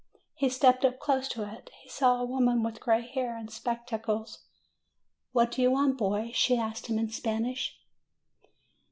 He stepped up close to it. He saw a woman with gray hair and spectacles. "What do you want, boy?" she asked him in Spanish.